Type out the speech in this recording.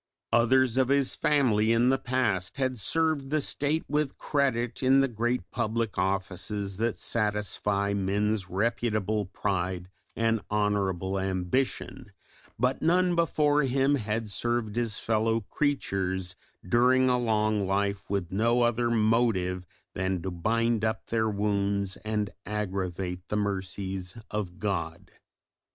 Others of his family in the past had served the State with credit in the great public offices that satisfy men's reputable pride and honourable ambition, but none before him had served his fellow creatures during a long life with no other motive than to bind up their wounds and aggravate the mercies of God.